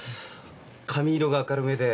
髪色が明るめで。